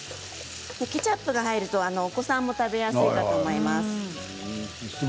ケチャップが入るとお子さんも食べやすいかと思います。